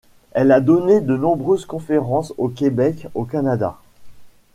Elle a donné de nombreuses conférences au Québec, au Canada.